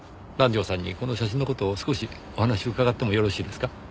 南条さんにこの写真の事を少しお話伺ってもよろしいですか？